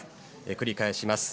繰り返します。